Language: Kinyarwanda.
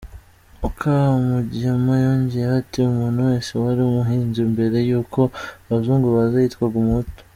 Mukamugema yongeyeho ati ”Umuntu wese wari umuhinzi mbere y’uko abazungu baza yitwaga umuhutu.